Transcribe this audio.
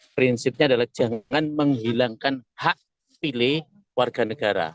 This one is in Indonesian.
prinsipnya adalah jangan menghilangkan hak pilih warga negara